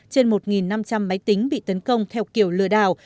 trên một năm trăm linh máy tính bị tấn công theo kiểu lừa đảo